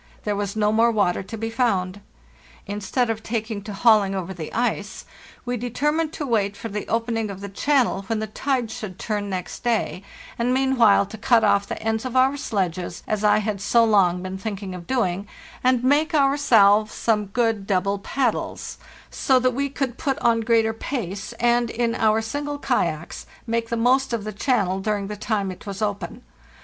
There was no more water to be found. Instead of taking to hauling over the ice, we determined to wait for the opening of the channel when the tide should turn next day, and meanwhile to cut off the ends of our sledges, as I had so long been thinking of doing, and make ourselves some good double paddles, so that we could put on greater pace, and, in our single kayaks, make the most of the channel during the time it was open.